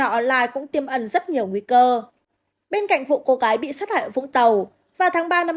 online cũng tiêm ẩn rất nhiều nguy cơ bên cạnh vụ cô gái bị sát hại ở vũng tàu vào tháng ba năm